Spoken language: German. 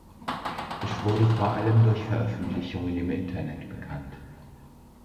Er wurde vor allem durch Veröffentlichungen im Internet bekannt.